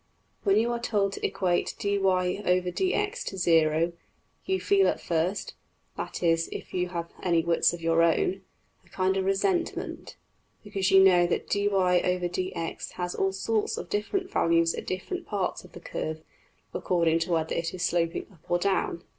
When you are told to equate $\dfrac{dy}{dx}$ to zero, you feel at first (that is if you have any wits of your own) a kind of resentment, because you know that $\dfrac{dy}{dx}$ has all sorts of different values at different parts of the curve, according to whether it is sloping up or down.